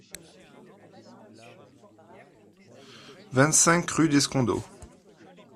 vingt-cinq rue d'Escondeaux